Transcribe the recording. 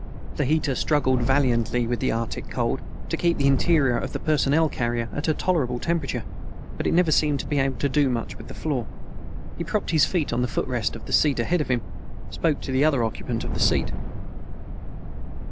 The heater struggled valiantly with the Arctic cold to keep the interior of the personnel carrier at a tolerable temperature, but it never seemed able to do much with the floor. He propped his feet on the footrest of the seat ahead of him, spoke to the other occupant of the seat.